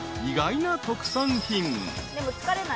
［意外な特産品］